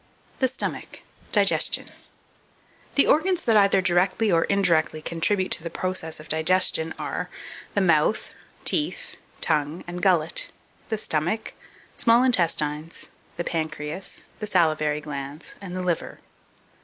THE STOMACH DIGESTION. 2457. The organs that either directly or indirectly contribute to the process of digestion are, the mouth, teeth, tongue, and gullet, the stomach, small intestines, the pancreas, the salivary glands, and the liver.